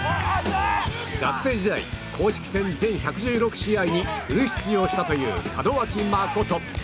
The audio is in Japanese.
学生時代、公式戦全１１６試合にフル出場したという門脇誠。